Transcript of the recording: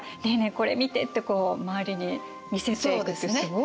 これ見てってこう周りに見せていくってすごいあの。